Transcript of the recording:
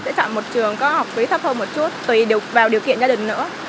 chẳng một trường có học phí thấp hơn một chút tùy vào điều kiện gia đình nữa